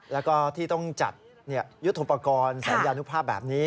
แล้วก็ที่ต้องจัดยุทธโปรกรณ์สัญญาณุภาพแบบนี้